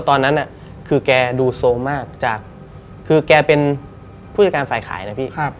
ตอนนั้นพี่เขาดูสมมากจากคือพี่เป็นผู้จากฝ่ายเกาะ